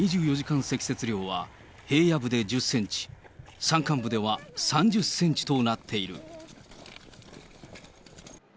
２４時間積雪量は、平野部で１０センチ、山間部では３０センチとなっている。